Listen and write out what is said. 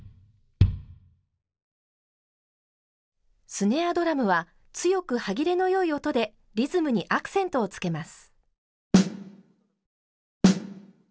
スネアドラムは強く歯切れのよい音でリズムにアクセントをつけます。